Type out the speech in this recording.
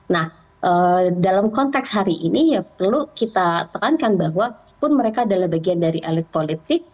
nah dalam konteks hari ini ya perlu kita tekankan bahwa pun mereka adalah bagian dari elit politik